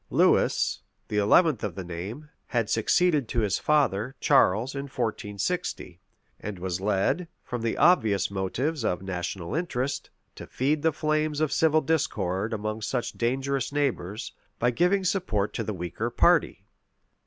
Lewis, the eleventh of the name, had succeeded to his father, Charles, in 1460; and was led, from the obvious motives of national interest, to feed the flames of civil discord among such dangerous neighbors, by giving support to the weaker party.